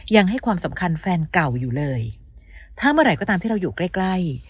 ยังให้ความสำคัญแฟนเก่าอยู่เลยถ้าเมื่อไหร่ก็ตามที่เราอยู่ใกล้ใกล้